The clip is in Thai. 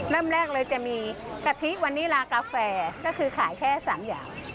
เริ่มแรกเลยจะมีกะทิวันนี้ลากาแฟก็คือขายแค่๓อย่าง